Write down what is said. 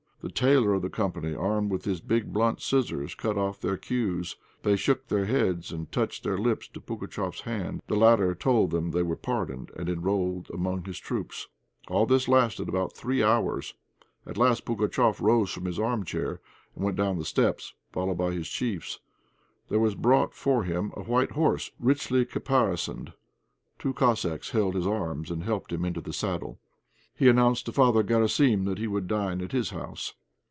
The tailor of the company, armed with his big blunt scissors, cut off their queues. They shook their heads and touched their lips to Pugatchéf's hand; the latter told them they were pardoned and enrolled amongst his troops. All this lasted about three hours. At last Pugatchéf rose from his armchair and went down the steps, followed by his chiefs. There was brought for him a white horse, richly caparisoned. Two Cossacks held his arms and helped him into the saddle. He announced to Father Garasim that he would dine at his house.